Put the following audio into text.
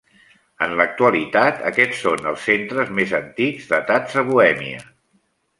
En l'actualitat aquests són els centres més antics datats a Bohèmia.